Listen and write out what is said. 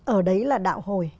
ở đấy là đạo hồi